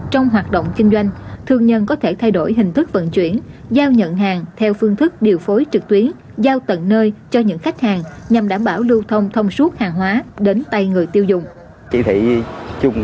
trong hoạt động kinh doanh thương nhân có thể thay đổi hình thức vận chuyển giao nhận hàng theo phương thức điều phối trực tuyến giao tận nơi cho những khách hàng nhằm đảm bảo lưu thông thông suốt hàng hóa đến tay người tiêu dùng